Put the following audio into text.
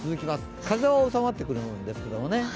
風は収まってくるんですけどね。